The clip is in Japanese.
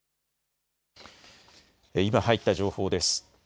今入った情報です。